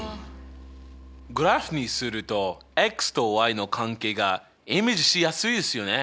グラフにするととの関係がイメージしやすいですよね。